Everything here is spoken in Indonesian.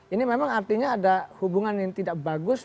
ini memang artinya ada hubungan yang tidak bagus